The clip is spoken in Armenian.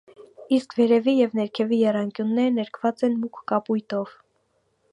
Իսկ վերևի և ներքևի եռանկյունները ներկված են մուգ կապույտով։